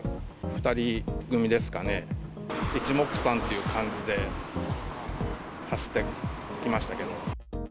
２人組ですかね、いちもくさんっていう感じで、走っていきましたけど。